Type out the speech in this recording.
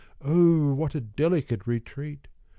O what a delicate retreat!